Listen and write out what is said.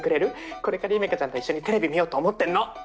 これからユメカちゃんと一緒にテレビ見ようと思ってんの！